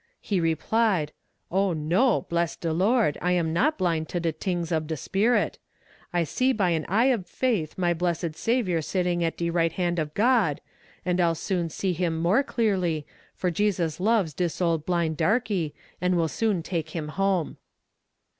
He replied: "Oh no, bless de Lord, I am not blind to de tings ob de spirit. I see by an eye ob faith my blessed Saviour sitting at de right hand ob God, and I'll soon see Him more clearly, for Jesus loves dis old blind darkie, and will soon take him home."